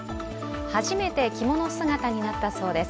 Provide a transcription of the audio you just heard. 初めて着物姿になったそうです。